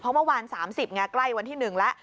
เพราะเมื่อวาน๓๐ไงใกล้วันที่๑แล้ว